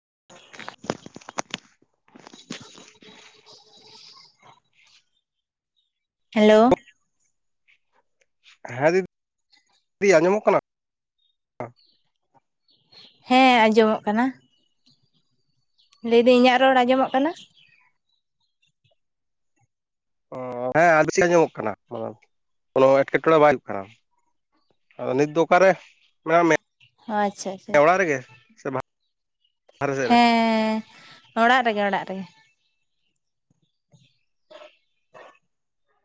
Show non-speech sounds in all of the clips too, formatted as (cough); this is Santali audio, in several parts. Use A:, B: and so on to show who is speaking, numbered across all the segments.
A: (inaudible) ᱦᱮᱞᱳ᱾
B: ᱦᱮᱸ ᱫᱤᱫ (unintelligible) ᱫᱤ ᱟᱸᱡᱚᱢᱚᱜ ᱠᱟᱱᱟ?
A: ᱦᱮᱸ ᱟᱸᱡᱚᱢᱚᱜ ᱠᱟᱱᱟ᱾ ᱞᱟᱹᱭᱫᱟᱹᱧ ᱤᱧᱟᱹᱜ ᱨᱚᱲ ᱟᱸᱡᱚᱢᱚᱜ ᱠᱟᱱᱟ?
B: ᱦᱸᱚ ᱦᱮᱸ (inaudible) ᱟᱸᱡᱚᱢᱚᱜ ᱠᱟᱱᱟ ᱠᱚᱱᱚ ᱮᱴᱠᱮᱴᱚᱬᱮ ᱵᱟᱭ ᱦᱩᱭᱩᱜ ᱠᱟᱱᱟ᱾ ᱟᱫᱚ ᱱᱤᱫ ᱫᱚ ᱚᱠᱟᱨᱮ? ᱢᱮᱱᱟᱢᱮ
A: ᱚ ᱟᱪᱪᱷᱟ ᱟᱪᱪᱷᱟ
B: (unintelligible) ᱚᱲᱟᱜ ᱨᱮᱜᱮ ᱥᱮ ᱵᱟᱜ (unintelligible) ᱨᱮ ᱥᱮᱜ ᱨᱮ?
A: ᱦᱮᱸ ᱚᱲᱟᱜ ᱨᱮᱜᱮ ᱚᱲᱟᱜ ᱨᱮᱜᱮ᱾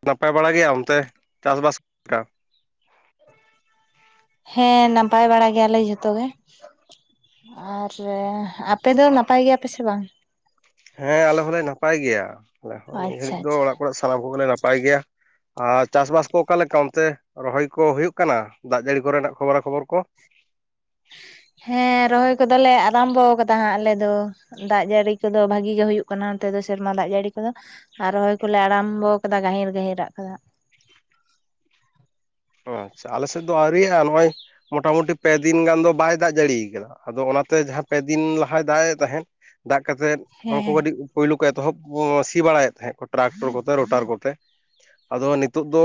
B: ᱱᱟᱯᱟᱭ ᱵᱟᱲᱟ ᱜᱮᱭᱟ ᱚᱱᱛᱮ ᱪᱟᱥᱵᱟᱥ ᱠᱚ?
A: ᱦᱮᱸ ᱱᱟᱯᱟᱭ ᱵᱟᱲᱟ ᱜᱮᱭᱟᱞᱮ ᱡᱷᱚᱛᱚ ᱜᱮ᱾ ᱟᱨ ᱟᱯᱮ ᱫᱚ ᱱᱟᱯᱟᱭ ᱜᱮᱭᱟᱯᱮ ᱥᱮ ᱵᱟᱝ?
B: ᱦᱮᱸ ᱟᱞᱮ ᱦᱚᱸᱞᱮ ᱱᱟᱯᱟᱭ ᱜᱮᱭᱟ, ᱟᱞᱮᱦᱚᱸ ᱱᱤᱭᱟᱹ
A: ᱟᱪᱪᱷᱟ
B: ᱜᱷᱟᱹᱲᱤᱡ ᱫᱚ
A: ᱟᱪᱪᱷᱟ
B: ᱚᱲᱟᱜ ᱠᱚᱨᱮ ᱥᱟᱱᱟᱢ ᱠᱚᱜᱮᱞᱮ ᱱᱟᱯᱟᱭ ᱜᱮᱭᱟ᱾ ᱟᱨ ᱪᱟᱥᱻᱵᱟᱥ ᱠᱚ ᱚᱠᱟᱞᱮᱠᱟ ᱚᱱᱛᱮ? ᱨᱚᱦᱚᱭ ᱠᱚ ᱦᱩᱭᱩᱜ ᱠᱟᱱᱟ ᱫᱟᱜ ᱡᱟᱹᱲᱤ ᱠᱚᱨᱮᱱᱟᱜ ᱠᱷᱚᱵᱚᱨᱟ ᱠᱷᱚᱵᱚᱨ ᱠᱚ?
A: ᱦᱮᱸ ᱨᱚᱦᱚᱭ ᱠᱚᱫᱚᱞᱮ ᱟᱨᱟᱢᱵᱚ ᱟᱠᱟᱫᱟ ᱦᱟᱸᱜ ᱟᱞᱮ ᱫᱚ ᱫᱟᱜ ᱡᱟᱹᱲᱤ ᱠᱚᱫᱚ ᱵᱷᱟᱹᱜᱤ ᱜᱮ ᱦᱩᱭᱩᱜ ᱠᱟᱱᱟ ᱚᱱᱚᱛ ᱫᱚ ᱥᱮᱨᱢᱟ ᱫᱟᱜ ᱡᱟᱹᱲᱤ ᱠᱚᱫᱚ᱾ ᱟᱨ ᱨᱚᱦᱚᱭ ᱠᱚᱞᱮ ᱟᱨᱟᱢᱵᱚ ᱟᱠᱟᱫᱟ ᱜᱟᱹᱦᱤᱨᱼᱜᱟᱹᱦᱤᱨᱟᱜ ᱠᱚᱫᱚ᱾
B: ᱟᱪᱪᱷᱟ ᱟᱞᱮᱥᱮᱫ ᱫᱚ ᱟᱹᱣᱤᱭᱼᱟ, ᱱᱚᱜ ᱱᱚᱭ ᱢᱚᱴᱟᱢᱩᱴᱤ ᱯᱮ ᱫᱤᱱ ᱜᱟᱱ ᱫᱚ ᱵᱟᱭ ᱫᱟᱜ ᱡᱟᱹᱲᱤᱭᱟ ᱟᱠᱟᱫᱟ᱾ ᱟᱫᱚ ᱚᱱᱟᱛᱮ ᱡᱟᱦᱟᱸ ᱯᱮᱫᱤᱱ ᱞᱟᱦᱟᱭ ᱫᱟᱜ ᱮᱫ ᱛᱟᱦᱮᱸᱫ ᱫᱟᱜ ᱠᱟᱛᱮᱜ ᱦᱚᱲ
A: ᱦᱮᱸ
B: ᱠᱚ ᱠᱟᱹᱴᱤᱡ ᱯᱩᱭᱭᱞᱩ ᱠᱚ ᱮᱛᱚᱦᱚᱵ ᱥᱤ ᱵᱟᱲᱟᱭᱮᱫ ᱛᱟᱦᱮᱸᱫ ᱴᱨᱟᱠᱴᱚᱨ ᱠᱚᱛᱮ ᱨᱳᱴᱟᱨ ᱠᱚᱛᱮ ᱟᱫᱚ ᱱᱤᱛᱚᱜ ᱫᱚ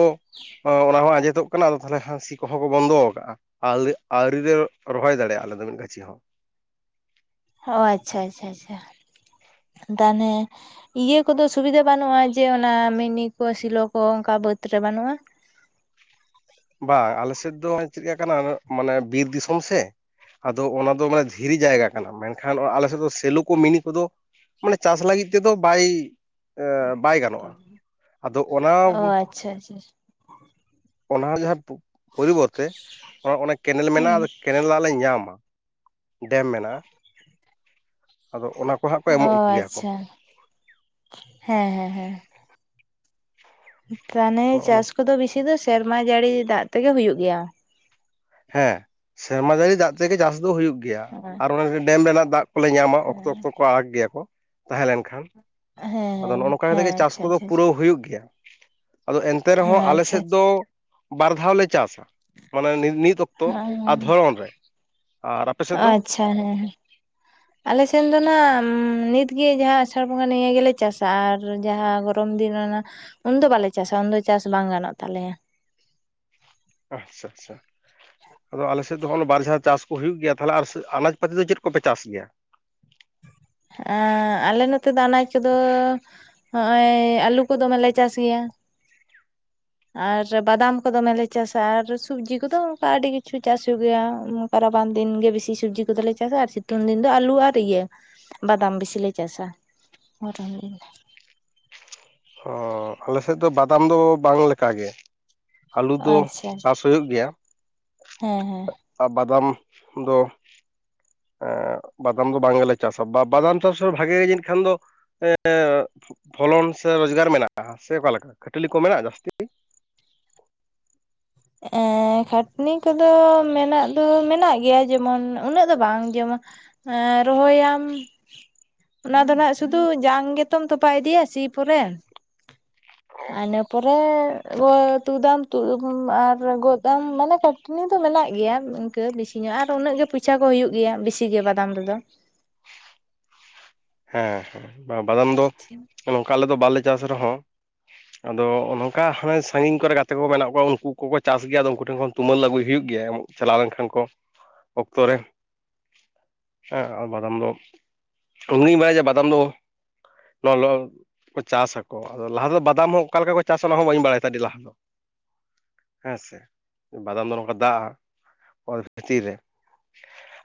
B: ᱚᱱᱟ ᱦᱚᱸ ᱟᱸᱡᱮᱫᱚᱜ ᱠᱟᱱᱟ ᱟᱫᱚ ᱛᱟᱦᱚᱞᱮ ᱦᱟᱹᱥᱤ ᱠᱚᱦᱚᱸ ᱠᱚ ᱵᱚᱱᱫᱚ ᱟᱠᱟᱟᱜᱼᱟ᱾ ᱟᱣᱨᱤ ᱟᱣᱨᱤᱞᱮ ᱨᱚᱦᱚᱭ ᱫᱟᱲᱮᱭᱟᱜᱼᱟ, ᱟᱞᱮ ᱫᱚ ᱢᱤᱫ ᱜᱟᱹᱪᱷᱤ ᱦᱚᱸ᱾
A: ᱚ ᱟᱪᱪᱷᱟ ᱟᱪᱪᱷᱟ ᱟᱪᱪᱷᱟ ᱛᱟᱱᱮ ᱤᱭᱟᱹ ᱠᱚᱫᱚ ᱥᱩᱵᱤᱫᱷᱟ ᱵᱟᱹᱱᱩᱜᱼᱟ ᱡᱮ ᱚᱱᱟ ᱢᱤᱱᱤ ᱠᱚ ᱥᱮᱞᱚ ᱠᱚ ᱚᱱᱠᱟ ᱵᱟᱹᱫᱽ ᱨᱮ ᱵᱟᱹᱱᱩᱜᱼᱟ?
B: ᱵᱟᱝ ᱟᱞᱮᱥᱮᱫ ᱫᱚ ᱪᱮᱫ ᱞᱮᱠᱟᱱᱟ ᱢᱟᱱᱮ ᱵᱤᱨ ᱫᱤᱥᱚᱢ ᱥᱮ ᱟᱫᱚ ᱚᱱᱟ ᱫᱚ ᱢᱟᱱᱮ ᱫᱷᱤᱨᱤ ᱡᱟᱭᱜᱟ ᱠᱟᱱᱟ, ᱢᱮᱱᱠᱷᱟᱱ ᱟᱞᱮᱥᱮᱫ ᱫᱚ ᱥᱮᱞᱚ ᱠᱚ ᱢᱤᱱᱤ ᱠᱚᱫᱚ ᱢᱟᱱᱮ ᱪᱟᱥ ᱞᱟᱹᱜᱤᱫ ᱛᱮᱫᱚ ᱵᱟᱭ ᱵᱟᱭ ᱜᱟᱱᱚᱜᱼᱟ᱾ ᱟᱫᱚ ᱚᱱᱟ
A: ᱚ ᱟᱪᱪᱷᱟ ᱟᱪᱪᱷᱟ
B: ᱚᱱᱟ ᱡᱟᱦᱟᱸ ᱯᱚᱨᱤᱵᱚᱨᱛᱮ ᱚᱱᱟ ᱠᱮᱱᱮᱞ ᱢᱮᱱᱟᱜᱼᱟ, ᱠᱮᱱᱮᱞ ᱞᱮ ᱧᱟᱢᱟ ᱰᱮᱢ ᱢᱮᱱᱟᱜᱼᱟ᱾ ᱟᱫᱚ ᱚᱱᱟ ᱠᱚ ᱦᱟᱸᱜ ᱠᱚ
A: ᱚ
B: ᱮᱢᱚᱜ ᱜᱮᱭᱟ ᱠᱚ
A: ᱟᱪᱪᱷᱟ ᱦᱮᱸ ᱦᱮᱸ ᱦᱮᱸ ᱛᱟᱱᱮ ᱪᱟᱥ ᱠᱚᱫᱚ ᱵᱤᱥᱤ ᱫᱚ ᱥᱮᱨᱢᱟ ᱡᱟᱹᱲᱤ ᱫᱟᱜ ᱛᱮᱜᱮ ᱦᱩᱭᱩᱜ ᱜᱮᱭᱟ?
B: ᱦᱮᱸ ᱥᱮᱨᱢᱟ ᱡᱟᱹᱲᱤ ᱫᱟᱜ ᱛᱮᱜᱮ ᱪᱟᱥ ᱫᱚ ᱦᱩᱭᱩᱜ ᱜᱮᱭᱟ ᱟᱨ
A: ᱦᱮᱸ
B: ᱚᱱ ᱰᱮᱢ ᱨᱮᱱᱟᱜ ᱫᱟᱜ ᱠᱚᱞᱮ ᱧᱟᱢᱟ ᱚᱠᱛᱚ ᱚᱠᱛᱚ ᱠᱚ ᱟᱠ ᱜᱮᱭᱟ ᱠᱚ ᱛᱟᱦᱮᱸ ᱞᱮᱱᱠᱷᱟᱱ ᱟᱫᱚ ᱱᱚᱜᱼᱚ
A: ᱦᱮᱸ
B: ᱱᱚᱝᱠᱟ ᱠᱟᱛᱮᱜ ᱜᱮ
A: ᱦᱮᱸ
B: ᱪᱟᱥ
A: ᱟᱪᱪᱷᱟ
B: ᱠᱚᱫᱚ
A: ᱟᱪᱪᱷᱟ
B: ᱯᱩᱨᱟᱹᱣ ᱦᱩᱭᱩᱜ ᱜᱮᱭᱟ᱾ ᱟᱫᱚ ᱮᱱᱛᱮ
A: ᱦᱮᱸ
B: ᱨᱮᱦᱚᱸ ᱟᱞᱮ
A: ᱟᱪᱪᱷᱟ
B: ᱥᱮᱫ ᱫᱚ ᱵᱟᱨ ᱫᱷᱟᱣᱞᱮ ᱪᱟᱥᱟ ᱢᱟᱱᱮ ᱱᱤᱛ ᱚᱠᱛᱚ᱾ ᱚ ᱟᱨ ᱫᱷᱚᱨᱚᱱ ᱨᱮ ᱟᱨ ᱟᱯᱮ ᱥᱮᱫ ᱫᱚ?
A: ᱟᱪᱪᱷᱟ ᱦᱮᱸ ᱟᱞᱮᱥᱮᱱ ᱫᱚ ᱱᱤᱛᱜᱮ ᱡᱟᱦᱟᱸ ᱟᱥᱟᱲ ᱵᱚᱸᱜᱟ ᱱᱤᱭᱟᱹ ᱜᱮᱞᱮ ᱪᱟᱥᱟ ᱟᱨ ᱡᱟᱦᱟᱸ ᱜ ᱯᱚᱨᱚᱢ ᱫᱤᱱ ᱨᱮᱱᱟᱜ ᱩᱱᱫᱚ ᱵᱟᱞᱮ ᱪᱟᱥᱟ ᱩᱱᱫᱚ ᱪᱟᱥ ᱵᱟᱝ ᱜᱟᱱᱚᱜ ᱛᱟᱞᱮᱭᱟ᱾
B: ᱟᱪᱪᱷᱟ ᱟᱪᱪᱷᱟ ᱟᱫᱚ ᱟᱞᱮ ᱥᱮᱫ ᱫᱚᱜᱼ ᱵᱟᱨ ᱡᱟᱦᱟᱸ ᱪᱟᱥ ᱠᱚ ᱦᱩᱭᱩᱜ ᱜᱮᱭᱟ᱾ ᱛᱟᱦᱚᱞᱮ ᱟᱨ ᱟᱱᱟᱡᱽ ᱯᱟᱛᱤ ᱫᱚ ᱪᱮᱫ ᱠᱚᱯᱮ ᱪᱟᱥ ᱜᱮᱭᱟ?
A: ᱟᱞᱮ ᱱᱚᱛᱮ ᱫᱚ ᱟᱱᱟᱡ ᱠᱚᱫᱚ ᱦᱚᱜᱼᱚᱭ ᱟᱹᱞᱩ ᱠᱚ ᱫᱚᱢᱮᱞᱮ ᱪᱟᱥ ᱜᱮᱭᱟ᱾ ᱟᱨ ᱵᱟᱫᱟᱢ ᱠᱚ ᱫᱚᱢᱮᱞᱮ ᱪᱟᱥᱟ ᱟᱨ ᱥᱚᱵᱡᱤ ᱠᱚᱫᱚ ᱚᱱᱠᱟ ᱟᱹᱰᱤ ᱠᱤᱪᱷᱩ ᱪᱟᱥ ᱦᱩᱭᱩᱜ ᱜᱮᱭᱟ᱾ ᱨᱟᱵᱟᱝ ᱫᱤᱱ ᱜᱮ ᱵᱮᱥᱤ ᱥᱚᱵᱡᱤ ᱠᱚᱫᱚᱞᱮ ᱪᱟᱥᱟ ᱟᱨ ᱥᱤᱛᱩᱝ ᱫᱤᱱ ᱫᱚ ᱟᱞᱩ ᱟᱨ ᱤᱭᱟᱹ ᱵᱟᱫᱟᱢ ᱵᱮᱥᱤᱤᱞᱮ ᱪᱟᱥᱟ ᱜᱚᱨᱚᱱ
B: ᱚ ᱟᱞᱮᱥᱮᱫ ᱫᱚ ᱵᱟᱫᱟᱢ ᱫᱚ ᱵᱟᱝ ᱞᱮᱠᱟ ᱜᱮ᱾ ᱟᱹᱞᱩ ᱫᱚ
A: ᱟᱪᱪᱷᱟ
B: ᱪᱟᱥ ᱦᱩᱭᱩᱜ ᱜᱮᱭᱟ᱾
A: ᱦᱮᱸ ᱦᱮᱸ
B: ᱵᱟᱫᱟᱢ ᱫᱚ ᱵᱟᱫᱟᱢ ᱫᱚ ᱵᱟᱝ ᱜᱮᱞᱮ ᱪᱟᱥᱟ ᱵᱟ ᱵᱟᱫᱟᱢ ᱪᱟᱥ ᱨᱮ ᱵᱷᱟᱜᱮ ᱜᱮ ᱡᱟᱹᱱᱤᱡ ᱠᱷᱟᱱ ᱫᱚ ᱮ ᱯᱷᱚᱞᱚᱱ ᱥᱮ ᱨᱚᱡᱽᱜᱟᱨ ᱢᱮᱱᱟᱜᱼᱟ ᱥᱮ ᱚᱠᱟᱞᱮᱠᱟ ᱠᱷᱟᱹᱴᱟᱹᱞᱤ ᱠᱚ ᱢᱮᱱᱟᱜᱼᱟ ᱡᱟᱹᱥᱛᱤ?
A: ᱠᱷᱟᱹᱴᱱᱤ ᱠᱚᱫᱚ ᱢᱮᱱᱟᱜ ᱫᱚ ᱢᱮᱱᱟᱜ ᱜᱮᱭᱟ ᱡᱮᱢᱚᱱ ᱩᱱᱟᱹᱜ ᱫᱚ ᱵᱟᱝ ᱡᱮᱢᱚᱱ ᱨᱚᱦᱚᱭᱟᱢ ᱚᱱᱟ ᱫᱚ ᱱᱟᱜ ᱥᱩᱫᱩ ᱡᱟᱝ ᱜᱮᱛᱚᱢ ᱛᱚᱯᱟᱭ ᱤᱫᱤᱭᱟ ᱥᱤ ᱯᱚᱨᱮ᱾ ᱟᱱᱟ ᱯᱚᱨᱮ ᱛᱩ ᱫᱟᱢ ᱟᱨ ᱜᱚᱫᱟᱢ ᱢᱟᱱᱮ ᱠᱟᱹᱴᱱᱤ ᱫᱚ ᱢᱮᱱᱟᱜ ᱜᱮᱭᱟ ᱤᱱᱠᱟᱹ ᱵᱮᱥᱤ ᱧᱚᱜ ᱟᱨ ᱩᱱᱟᱹᱜ ᱜᱮ ᱯᱚᱭᱥᱟ ᱪᱷᱟ ᱠᱚ ᱦᱩᱭᱩᱜ ᱜᱮᱭᱟ ᱵᱤᱥᱤ ᱜᱮ ᱵᱟᱫᱟᱢ ᱨᱮᱫᱚ ᱾
B: ᱦᱮᱸ ᱦᱮᱸ ᱵᱟᱝ ᱵᱟᱫᱟᱢ ᱫᱚ
A: ᱦᱮᱸ
B: ᱱᱚᱝᱠᱟ ᱟᱞᱮ ᱫᱚ ᱵᱟᱞᱮ ᱪᱟᱥ ᱨᱮᱦᱚᱸ ᱟᱫᱚ ᱱᱚᱝᱠᱟ ᱦᱟᱱᱮ ᱥᱟᱺᱜᱤᱧ ᱠᱚᱨᱮ ᱜᱟᱛᱮ ᱠᱚ ᱢᱮᱱᱟᱜ ᱠᱚᱣᱟ, ᱩᱱᱠᱩ ᱠᱚᱠᱚ ᱪᱟᱥ ᱜᱮᱭᱟ ᱟᱫᱚ ᱩᱱᱠᱩ ᱴᱷᱮᱱ ᱠᱷᱚᱱ ᱛᱩᱢᱟᱹ ᱟᱹᱜᱩᱭ ᱦᱩᱭᱩᱜ ᱜᱮᱭᱟ᱾ ᱮᱢ ᱪᱟᱞᱟᱣ ᱞᱮᱱᱠᱷᱟᱱ ᱠᱚ ᱚᱠᱛᱚ ᱨᱮ ᱦᱮᱸ ᱟᱨ ᱵᱟᱫᱟᱢ ᱫᱚ ᱩᱱᱤᱜᱮᱧ ᱵᱟᱲᱟᱭ ᱡᱮ ᱵᱟᱫᱟᱢ ᱫᱚ ᱱᱚᱣᱟ ᱪᱟᱥ ᱟᱠᱚ ᱟᱫᱚ ᱞᱟᱦᱟ ᱫᱚ ᱵᱟᱫᱟᱢ ᱦᱚᱸ ᱚᱠᱟ ᱞᱮᱠᱟ ᱠᱚ ᱪᱟᱥᱟ ᱚᱱᱟ ᱦᱚᱸ ᱵᱟᱹᱧ ᱵᱟᱲᱟᱭ ᱛᱟᱦᱮᱱ ᱟᱹᱰᱤ ᱞᱟᱦᱟ ᱫᱚ ᱦᱮᱸ ᱥᱮ ᱵᱟᱫᱟᱢ ᱫᱚ ᱱᱚᱝᱠᱟ ᱫᱟᱜᱼᱟ ᱚᱛ ᱵᱷᱤᱛᱤᱨ ᱨᱮ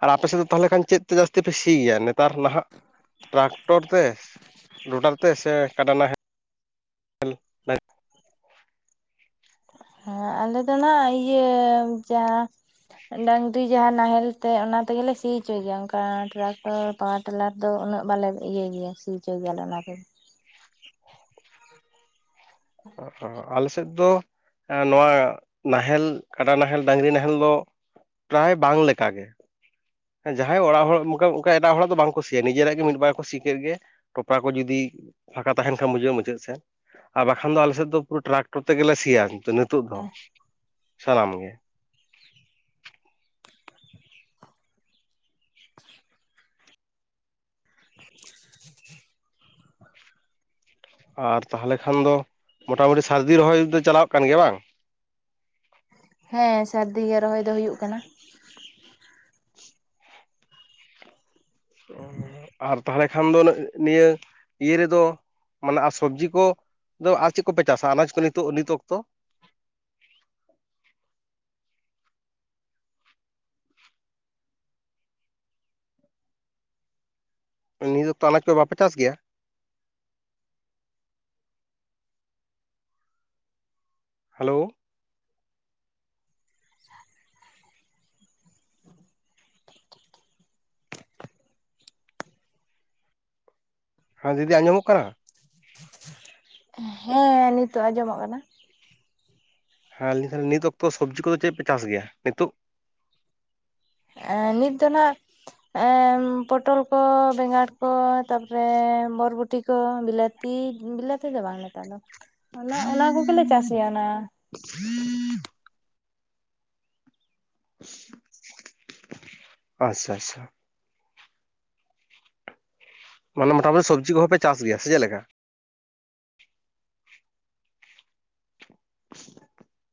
B: ᱟᱨ ᱟᱯᱮ ᱥᱮᱫ ᱫᱚ ᱛᱟᱦᱚᱞᱮ ᱠᱷᱟᱱ ᱪᱮᱫ ᱛᱮ ᱡᱟᱹᱥᱛᱤ ᱯᱮ ᱥᱤᱭᱟ ᱱᱮᱛᱟᱨ ᱱᱟᱦᱟᱜ? ᱴᱨᱟᱠᱴᱚᱨ ᱛᱮ, ᱞᱚᱴᱟᱨ ᱛᱮ ᱥᱮ ᱠᱟᱰᱟ ᱱᱟᱦᱮᱞ ᱛᱮ? (inaudible)
A: ᱦᱮᱸ ᱟᱞᱮ ᱫᱚᱞᱮ ᱤᱭᱟᱹ ᱡᱟ ᱰᱟᱝᱨᱤ ᱡᱟᱦᱟᱸ ᱱᱟᱦᱮᱞ ᱛᱮ ᱚᱱᱟ ᱛᱮᱜᱮᱞᱮ ᱥᱤ ᱚᱪᱚᱭ ᱜᱮᱭᱟ ᱚᱱᱠᱟ ᱴᱨᱟᱠᱴᱚᱨ ᱾ ᱯᱟᱣᱟᱨ ᱴᱮᱞᱟᱨ ᱫᱚ ᱩᱱᱟᱹᱜ ᱵᱟᱞᱮ ᱤᱭᱟᱹᱭ ᱜᱮᱭᱟ ᱥᱤ ᱚᱪᱚᱭ ᱜᱮᱭᱟᱞᱮ ᱚᱱᱟᱛᱮ
B: ᱟᱞᱮ ᱥᱮᱫ ᱫᱚ ᱾ ᱱᱚᱣᱟ ᱱᱟᱦᱮᱞ ᱠᱟᱰᱟ ᱱᱟᱦᱮᱞ ᱰᱟᱹᱝᱨᱤ ᱱᱟᱦᱮᱞ ᱫᱚ ᱾ ᱯᱨᱟᱭ ᱵᱟᱝ ᱞᱮᱠᱟ ᱜᱮ ᱾ ᱦᱮᱸ ᱡᱟᱦᱟᱸᱭ ᱚᱲᱟᱜ ᱦᱚᱲ ᱚᱱᱠᱟ ᱚᱱᱠᱟ ᱮᱴᱟᱜ ᱦᱚᱲᱟᱜ ᱫᱚ ᱵᱟᱝᱠᱚ ᱥᱤᱭᱟ ᱱᱤᱡᱮᱨᱟᱜ ᱜᱮ ᱢᱤᱫ ᱵᱟᱨ ᱠᱚ ᱥᱤ ᱠᱮᱫ ᱜᱮ ᱴᱚᱯᱨᱟ ᱠᱚ ᱡᱩᱫᱤ ᱯᱷᱟᱸᱠᱟ ᱛᱟᱦᱮᱱ ᱠᱷᱟᱱ ᱵᱩᱡᱷᱟᱹᱜᱼᱟ ᱢᱩᱪᱟᱹᱫ ᱥᱮᱫ ᱾ ᱠᱷᱟᱱ ᱫᱚ ᱟᱞᱮᱥᱮᱫ ᱫᱚ ᱯᱩᱨᱟᱹ ᱴᱨᱟᱠᱴᱚᱨ ᱛᱮᱜᱮ ᱥᱤᱭᱟ ᱱᱤᱛᱚᱜ ᱫᱚ ᱥᱟᱱᱟᱢ ᱜᱮ ᱾
A: (inaudible) (inaudible)
B: ᱟᱨ ᱛᱟᱦᱚᱞᱮ ᱠᱷᱟᱱ ᱫᱚ ᱢᱳᱴᱟᱢᱩᱴᱤ ᱥᱟᱹᱨᱫᱤ ᱨᱚᱦᱚᱭ ᱫᱚ ᱪᱟᱞᱟᱜ ᱠᱟᱱ ᱜᱮᱭᱟ ᱵᱟᱝ ᱾
A: ᱦᱮᱸ ᱥᱟᱹᱨᱫᱤ ᱜᱮ ᱨᱚᱦᱚᱭ ᱫᱚ ᱦᱩᱭᱩᱜ ᱠᱟᱱᱟ ᱾
B: ᱟᱨ ᱛᱟᱦᱞᱮ ᱠᱷᱟᱱ ᱫᱚ ᱱᱤᱭᱟᱹ ᱤᱭᱟᱹ ᱨᱮᱫᱚ ᱾ ᱢᱟᱱᱮ ᱟᱨ ᱥᱚᱵᱽᱡᱤ ᱠᱚᱫᱚ ᱟᱨ ᱪᱮᱫ ᱠᱚᱯᱮ ᱪᱟᱥᱟ ᱟᱱᱟᱡ ᱠᱚ ᱱᱤᱛᱚᱜ ᱱᱤᱛ ᱚᱠᱛᱚ? ᱱᱤᱛ ᱚᱠᱛᱚ ᱟᱱᱟᱡᱽ ᱠᱚ ᱵᱟᱯᱮ ᱪᱟᱥ ᱜᱮᱭᱟ ᱾ ᱦᱮᱞᱳ ᱾
A: (inaudible)
B: ᱦᱮᱸ ᱫᱤᱫᱤ ᱟᱸᱡᱚᱢᱚᱜ ᱠᱟᱱᱟ
A: ᱦᱮᱸ ᱱᱤᱛᱚᱜ ᱟᱸᱡᱚᱢᱚᱜ ᱠᱟᱱᱟ ᱾
B: ᱦᱮᱸ (unintelligible) ᱱᱤᱛ ᱚᱠᱛᱚ ᱥᱚᱵᱽᱡᱤ ᱠᱚᱫᱚ ᱪᱮᱫ ᱯᱮ ᱪᱟᱥ ᱜᱮᱭᱟ ᱱᱤᱛᱚᱜ ᱾
A: ᱮ ᱱᱤᱛ ᱫᱚ ᱱᱟᱜ ᱮ ᱯᱚᱴᱚᱞ ᱠᱚ ᱵᱮᱸᱜᱟᱲ ᱠᱚ ᱛᱟᱯᱚᱨᱮ ᱵᱚᱨᱵᱚᱴᱤ ᱠᱚ ᱵᱤᱞᱟᱹᱛ ᱛᱤ ᱵᱤᱞᱟᱹ ᱛᱮᱫᱚ ᱵᱟᱝ ᱱᱮᱛᱟᱨ ᱫᱚ ᱚᱱᱟ ᱚᱱᱟ ᱠᱚᱜᱮᱞᱮ ᱪᱟᱥ ᱜᱮᱭᱟ ᱚᱱᱟ ᱾
B: (inaudible) (inaudible) ᱟᱪᱷᱟ- ᱟᱪᱷᱟ ᱾ ᱢᱟᱱᱮ ᱢᱚᱴᱟᱢᱩᱴᱤ ᱥᱚᱵᱡᱤ ᱠᱚᱦᱚᱸᱯᱮ ᱪᱟᱥ ᱜᱮᱭᱟ ᱥᱮ ᱪᱮᱫ ᱞᱮᱠᱟ? (inaudible)